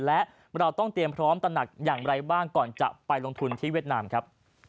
และเราต้องเตรียมพร้อมตระหนักอย่างไรบ้างก่อนจะไปลงทุนที่เวียดนามครับ